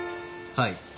はい。